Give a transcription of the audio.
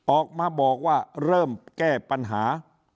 ออกมาบอกว่าเริ่มแก้ปัญหา